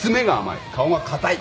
顔が硬い。